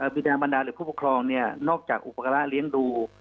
คือทางบรรดาหรือผู้ปกครองนอกจากอุปการะเลี้ยงดู